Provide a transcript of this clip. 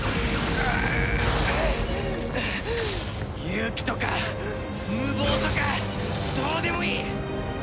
勇気とか無謀とかどうでもいい！